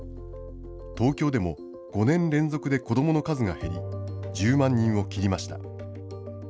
東京でも５年連続で子どもの数が減り、１０万人を切りました。